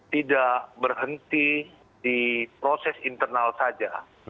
tidak berhenti di proses internal saja